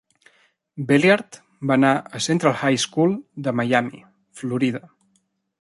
Belliard va anar a Central High School de Miami, Florida.